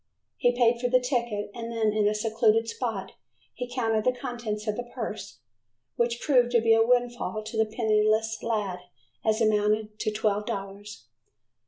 He paid for the ticket and then in a secluded spot he counted the contents of the purse, which proved to be a windfall to the penniless lad, as it amounted to twelve dollars.